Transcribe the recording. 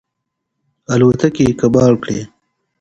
الوتکې یې کباړ کړې.